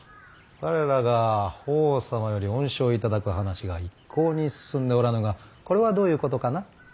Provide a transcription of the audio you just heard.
我らが法皇様より恩賞を頂く話が一向に進んでおらぬがこれはどういうことかな。